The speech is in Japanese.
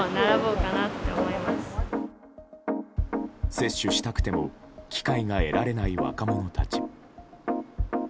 接種したくても機会が得られない若者たち。